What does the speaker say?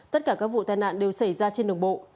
tất cả các vụ tai nạn đều xảy ra trên đường bộ